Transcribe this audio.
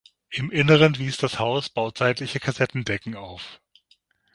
Im Inneren wies das Haus bauzeitliche Kassettendecken auf.